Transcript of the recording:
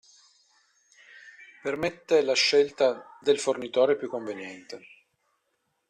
Permette la scelta del fornitore più conveniente.